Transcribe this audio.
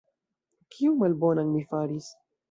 Kion malbonan mi faris?